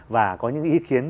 và có những ý kiến